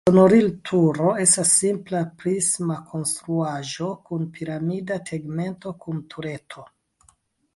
Sonorilturo estas simpla prisma konstruaĵo kun piramida tegmento kun tureto.